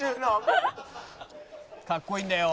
「かっこいいんだよ！」